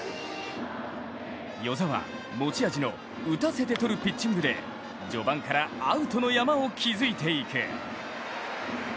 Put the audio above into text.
與座は持ち味の打たせてとるピッチングで序盤からアウトの山を築いていく。